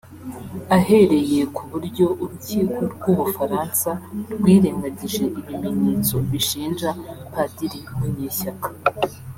Ahereye ku buryo urukiko rw’u Bufaransa rwirengagije ibimenyetso bishinja Padiri Munyeshyaka